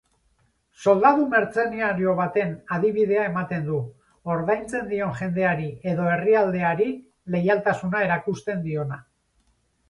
Soldadu mertzenario baten adibidea ematen du, ordaintzen dion jendeari edo herrialdeari leialtasuna erakusten diona.